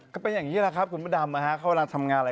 ก็เป็นอย่างนี้แหละครับคุณมดดำเขาทำงานอะไรเขารู้ไม๊